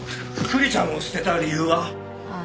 クリちゃんを捨てた理由は？ああ。